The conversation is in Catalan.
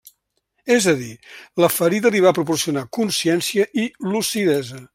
És a dir, la ferida li va proporcionar consciència i lucidesa.